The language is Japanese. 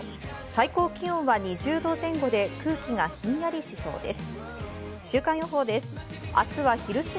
最高気温は２０度前後で空気がひんやりしそうです。